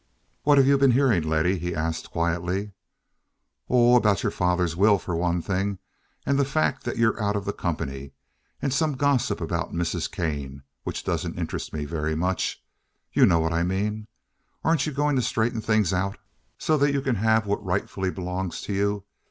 "What have you been hearing, Letty?" he asked, quietly. "Oh, about your father's will for one thing, and the fact that you're out of the company, and some gossip about Mrs. Kane which doesn't interest me very much. You know what I mean. Aren't you going to straighten things out, so that you can have what rightfully belongs to you?